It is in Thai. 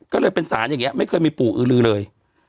ก็เลยเป็นสารอย่างนี้ไม่เคยมีปู่อือลือเลย